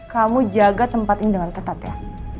kamu jaga tempat ini dengan ketat ya